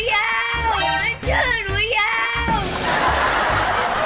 มันชื่อหนูยาก